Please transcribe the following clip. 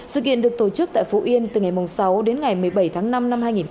sự kiện được tổ chức tại phú yên từ ngày sáu đến ngày một mươi bảy tháng năm năm hai nghìn hai mươi